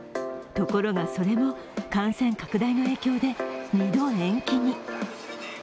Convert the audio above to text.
ところが、それも感染拡大の影響で２度延期に。